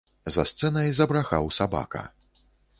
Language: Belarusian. За сцэнай забрахаў сабака.